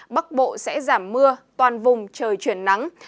bắc bộ sẽ giảm mưa toàn vùng trời chuyển nắng